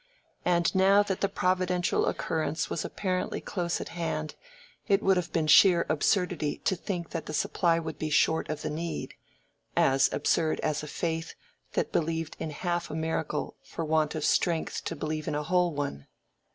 And now that the providential occurrence was apparently close at hand, it would have been sheer absurdity to think that the supply would be short of the need: as absurd as a faith that believed in half a miracle for want of strength to believe in a whole one.